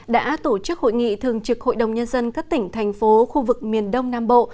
đã tổ chức hội nghị thường trực hội đồng nhân dân các tỉnh thành phố khu vực miền đông nam bộ